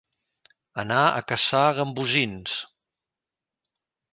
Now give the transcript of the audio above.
Anar a caçar gambosins.